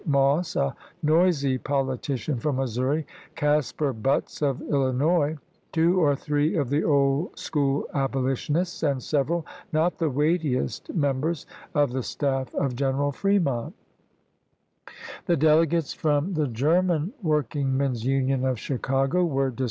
Moss, a noisy politician from Missouri ; Caspar Butz of Illi nois ; two or three of the old school abolitionists, and several (not the weightiest) members of the staff of General Fremont The delegates from the Ger THE CLEVELAND CONVENTION 35 man Workingmen's Union of Chicago were dis chap.